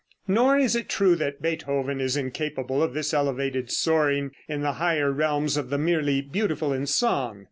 ] Nor is it true that Beethoven is incapable of this elevated soaring in the higher realms of the merely beautiful in song.